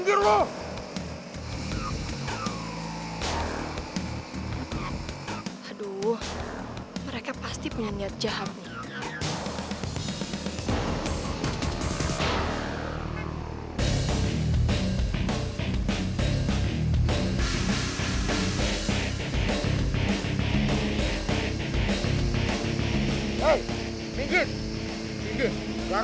gue ga pengen main